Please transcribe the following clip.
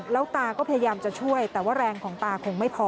แล้วตาก็พยายามจะช่วยแต่ว่าแรงของตาคงไม่พอ